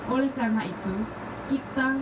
oleh karena itu kita